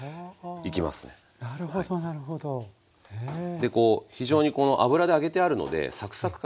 でこう非常にこの油で揚げてあるのでサクサク感